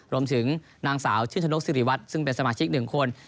รวมถึงนางสาวชื่นชนกสิริวัตรซึ่งเป็นสมาชิก๑คน